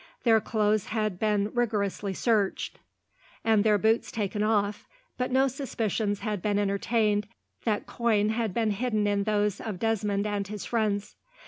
Their clothes had been rigorously searched, and their boots taken off, but no suspicions had been entertained that coin had been hidden in those of Desmond and his friends.